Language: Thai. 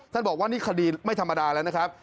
บอกว่านี่คดีไม่ธรรมดาแล้วนะครับ